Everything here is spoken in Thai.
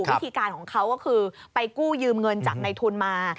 วิธีการของเขาก็คือไปกู้ยืมเงินจากในทุนมา